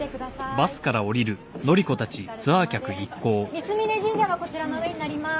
三峯神社はこちらの上になります。